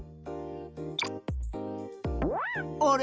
あれ？